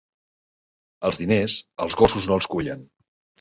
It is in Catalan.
Els diners, els gossos no els cullen.